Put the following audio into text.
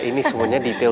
ini semuanya detail